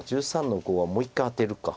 １３の五はもう一回アテるか。